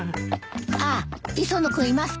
あっ磯野君いますか？